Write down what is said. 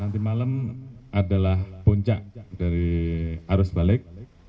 nanti malam adalah puncak dari arus balik